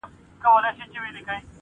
• یوه ورځ په ښار کي جوړه غلغله سوه -